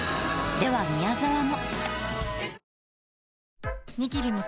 では宮沢も。